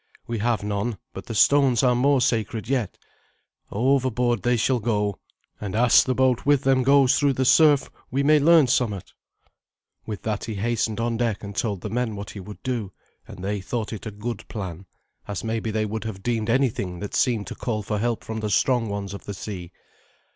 We have none, but the stones are more sacred yet. Overboard they shall go, and as the boat with them goes through the surf we may learn somewhat." With that he hastened on deck, and told the men what he would do; and they thought it a good plan, as maybe they would have deemed anything that seemed to call for help from the strong ones of the sea.